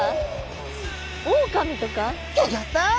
ギョギョッと！